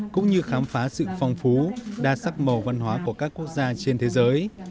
cũng như khám phá sự phong phú đa sắc màu văn hóa của các quốc gia trên thế giới